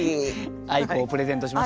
アイコをプレゼントします。